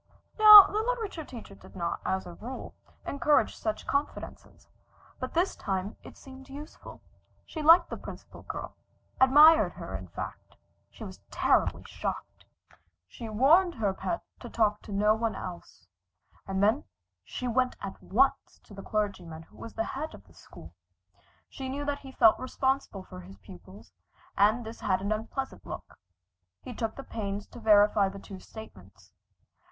Now the literature teacher did not, as a rule, encourage such confidences, but this time it seemed useful. She liked the Principal Girl admired her, in fact. She was terribly shocked. She warned her pet to talk to no one else, and then she went at once to the clergyman who was at the head of the school. She knew that he felt responsible for his pupils, and this had an unpleasant look. He took the pains to verify the two statements.